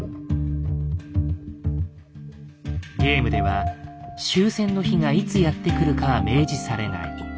ゲームでは終戦の日がいつやって来るかは明示されない。